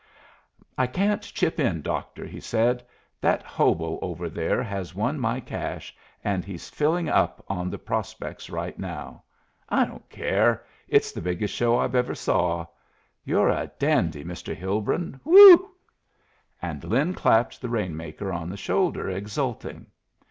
"I can't chip in, doctor," he said. "That hobo over there has won my cash, an' he's filling up on the prospect right now. I don't care! It's the biggest show I've ever saw. You're a dandy, Mr. Hilbrun! Whoop!" And Lin clapped the rain maker on the shoulder, exulting.